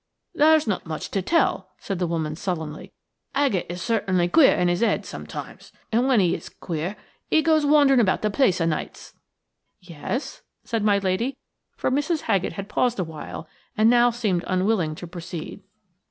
"There's not much to tell," said the woman, sullenly. "Haggett is certainly queer in his head sometimes–and when he is queer he goes wandering about the place of nights." "Yes?" said my lady, for Mrs. Haggett had paused awhile and now seemed unwilling to proceed.